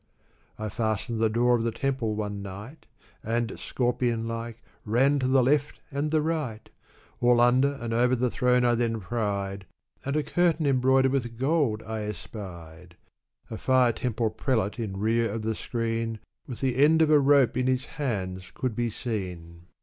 I fastened the door of the temple one night, And, scorpion like, ran to the left and the right All under and over the throne I then pried. And a curtain embroidered with gold I espied ; A fire temple prelate in rear of the screen, With the end of a rope in his hands, could be seen.